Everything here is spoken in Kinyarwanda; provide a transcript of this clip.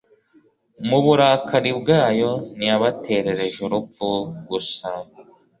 Mu burakari bwayo ntiyabaterereje urupfu gusa